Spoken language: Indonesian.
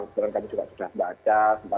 kebetulan kami juga sudah baca